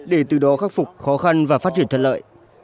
để từ đó khắc phục khó khăn và phát triển thân lợi